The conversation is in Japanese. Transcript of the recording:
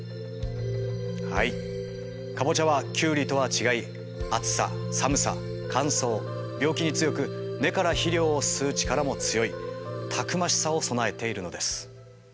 はいカボチャはキュウリとは違い暑さ寒さ乾燥病気に強く根から肥料を吸う力も強いたくましさを備えているのです。